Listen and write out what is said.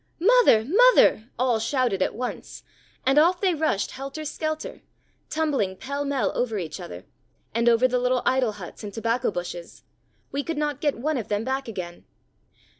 "Mother! mother!" all shouted at once, and off they rushed helter skelter, tumbling pell mell over each other, and over the little idol huts and tobacco bushes: we could not get one of them back again.